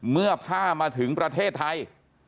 เมื่อผ้ามาถึงประเทศไทย